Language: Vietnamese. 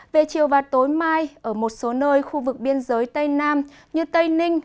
về chiều và tối mai ở một số nơi khu vực biên giới tây nam như tây ninh